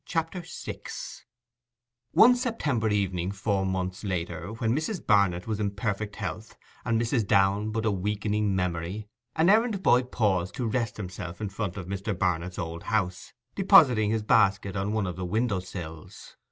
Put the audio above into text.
CHAPTER VI One September evening, four months later, when Mrs. Barnet was in perfect health, and Mrs. Downe but a weakening memory, an errand boy paused to rest himself in front of Mr. Barnet's old house, depositing his basket on one of the window sills.